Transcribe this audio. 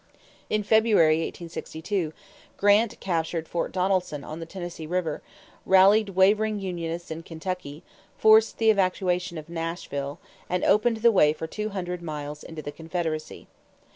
In February, 1862, Grant captured Fort Donelson on the Tennessee River, rallied wavering unionists in Kentucky, forced the evacuation of Nashville, and opened the way for two hundred miles into the Confederacy.